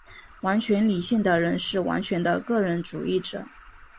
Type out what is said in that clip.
完全理性的人是完全的个人主义者。